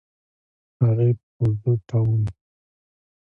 هغې په زوټه وويل.